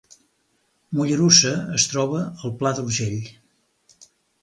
Mollerussa es troba al Pla d’Urgell